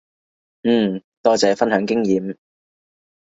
嗯，多謝分享經驗